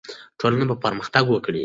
ټولنه به پرمختګ وکړي.